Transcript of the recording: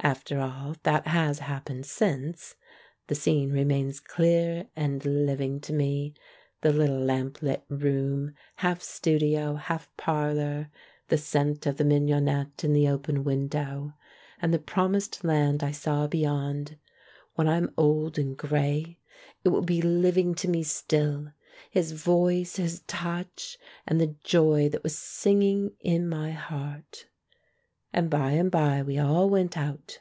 After all that has hap pened since, the scene remains clear and living to me — the little lamp lit room, half studio, half parlour, the scent of the mignonette in the open window, and the Promised Land I saw beyond. When I am old and grey, it will be living to me still — his voice, his touch, and the joy that was singing in my heart. And by and by we all went out.